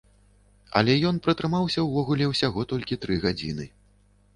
Але ён пратрымаўся ўвогуле ўсяго толькі тры гадзіны.